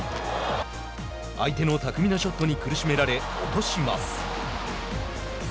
相手の巧みなショットに苦しめられ、落とします。